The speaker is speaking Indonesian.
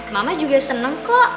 mama juga seneng kok